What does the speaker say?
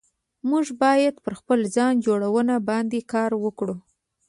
موږ بايد پر خپل ځان جوړونه باندي کار وکړو